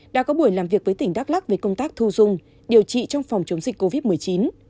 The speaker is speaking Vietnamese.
đã có buổi làm việc với tỉnh đắk lắc về công tác thu dung điều trị trong phòng chống dịch covid một mươi chín